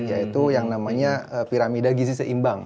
yaitu yang namanya piramida gizi seimbang